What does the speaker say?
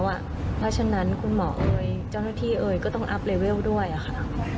เพราะฉะนั้นคุณหมอเอ่ยเจ้าหน้าที่เอ่ยก็ต้องอัพเลเวลด้วยค่ะ